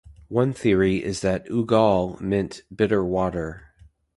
One theory is that "Eau Galle" meant "bitter water".